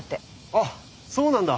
あっそうなんだ。